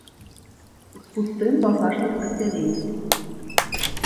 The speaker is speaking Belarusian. З пустым багажным аддзяленнем.